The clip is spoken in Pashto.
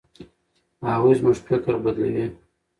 هغوی زموږ فکر بدلوي.